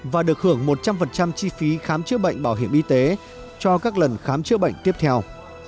và được hưởng một trăm linh chi phí khám chữa bệnh bảo hiểm y tế cho các lần khám chữa bệnh tiếp theo